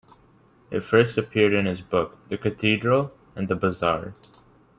It first appeared in his book "The Cathedral and the Bazaar".